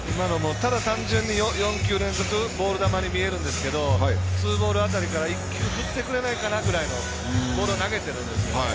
ただ単純に４球連続ボール球に見えるんですけどツーボール辺りから１球振ってくれないかなぐらいのボールを投げてるんですよね。